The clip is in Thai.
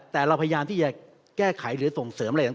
แต่เราพยายามที่จะแก้ไขหรือส่งเสริมอะไรต่าง